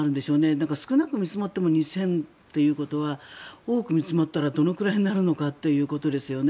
だから、少なく見積もっても２０００人ということは多く見積もったらどのくらいになるのかということですよね。